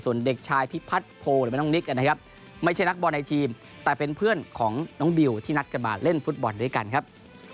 ส่วนเด็กชายพิพัฒน์โพลไม่ใช่นักบอลในทีมแต่เป็นเพื่อนของน้องบิลที่นัดกันมาเล่นฟุตบอลด้วยกันครับ